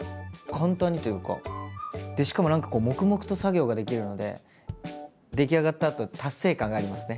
でしかも何か黙々と作業ができるので出来上がったあと達成感がありますね。